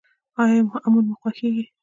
ایا امن مو خوښیږي؟